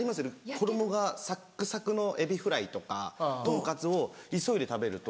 衣がサックサクのエビフライとかトンカツを急いで食べると。